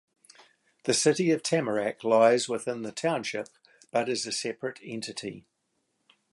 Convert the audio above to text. The city of Tamarack lies within the township but is a separate entity.